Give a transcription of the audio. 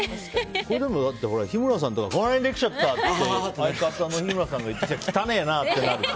これ日村さんとかが口内炎できちゃった！とか相方の日村さんが言ってきたら汚いなってなる。